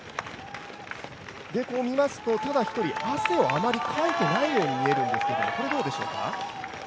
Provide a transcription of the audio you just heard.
ただ一人、汗をあまりかいていないように見えるんですが、これどうでしょうか？